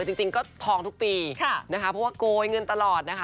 จริงก็ทองทุกปีนะคะเพราะว่าโกยเงินตลอดนะคะ